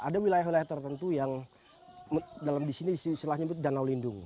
ada wilayah wilayah tertentu yang dalam di sini disini silahnya but danau lindung